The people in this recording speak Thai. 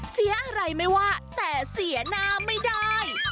เสียอะไรไม่ว่าแต่เสียหน้าไม่ได้